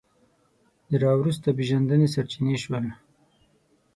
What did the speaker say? د راوروسته پېژندنې سرچینې شول